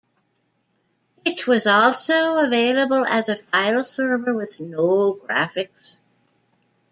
It was also available as a file server with no graphics.